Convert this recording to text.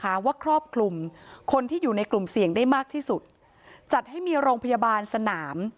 หาว่าครอบคลุมคนที่อยู่ในกลุ่มเสี่ยงได้มากที่สุดจัดให้มีโรงพยาบาลสนาม